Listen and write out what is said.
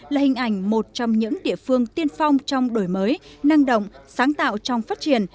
là hình ảnh một trong những địa phương tiên phong trong đổi mới năng động sáng tạo trong phát triển